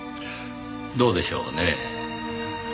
どうでしょうねぇ。